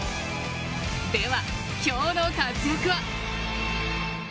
では、今日の活躍は。